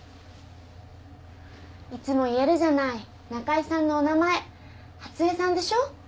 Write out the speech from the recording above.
いつも言えるじゃない中井さんのお名前初枝さんでしょ